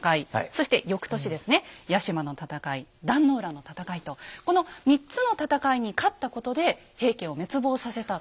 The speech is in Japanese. そして翌年ですね屋島の戦い壇の浦の戦いとこの３つの戦いに勝ったことで平家を滅亡させた。